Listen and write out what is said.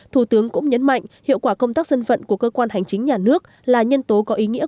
thủ tướng cũng nhấn mạnh hiệu quả công tác dân vận của cơ quan hành chính nhà nước là nhân tố có ý nghĩa